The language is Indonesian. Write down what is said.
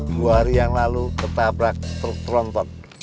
dua hari yang lalu ketabrak terperontot